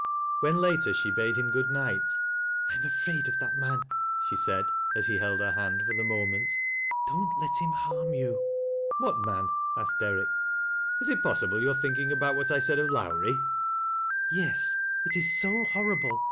When, later, she bade him good night —" I am afraid of that man," she said, as he held hei hand for the moment. " Don't let him harm you." " What man ?" asked Derrick. " Is it possible you s.n Uiiikiug about what I said of Lowrie 3 ' 66 THAT LASa 0' LOWBIE'8. " Yes. It is sc horrible.